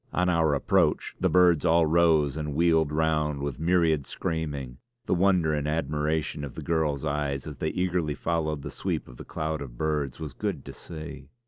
On our approach the birds all rose and wheeled round with myriad screaming; the wonder and admiration of the girl's eyes as they eagerly followed the sweep of the cloud of birds was good to see.